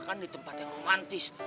kan di tempat yang romantis